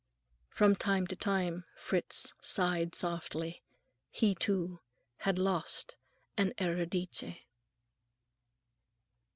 From time to time Fritz sighed softly. He, too, had lost a Euridice.